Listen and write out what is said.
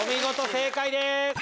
正解です。